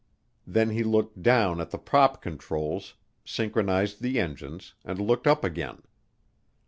Then he looked down at the prop controls, synchronized the engines, and looked up again.